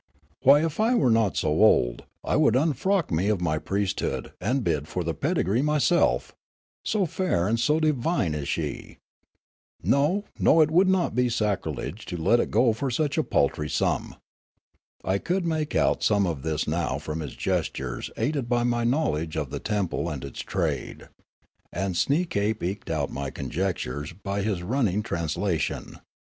Why, if I were not so old, I would unfrock me of my priesthood, and bid for the pedigree myself, so fair and so divine is she. No, no, it would be sacrilege to let it go for such a paltry sum." I could make out some of this now from his gestures, aided by my know ledge of the temple and its trade; and Sneekape eked out my conjectures by his running translation.